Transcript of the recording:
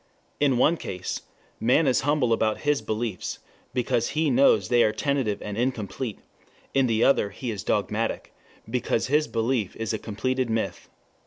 In the one case, man is humble about his beliefs, because he knows they are tentative and incomplete; in the other he is dogmatic, because his belief is a completed myth.